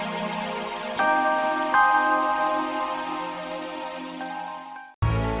distriksi orang orang mereka seni nih kan